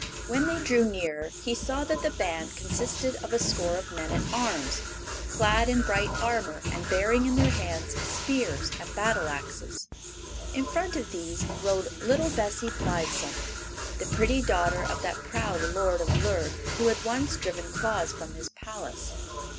When they drew nearer he saw that the band consisted of a score of men at arms, clad in bright armor and bearing in their hands spears and battle axes. In front of these rode little Bessie Blithesome, the pretty daughter of that proud Lord of Lerd who had once driven Claus from his palace.